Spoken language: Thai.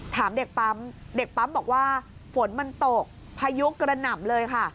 ถามเด็กปั๊มเด็กปั๊มบอกว่าฝนมันตกพายุกระหน่ำเลยค่ะ